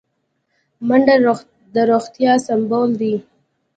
منډه د روغتیا سمبول دی